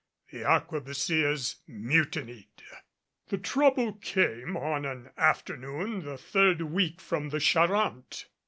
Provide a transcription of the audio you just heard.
The arquebusiers mutinied. The trouble came on an afternoon, the third week from the Charente.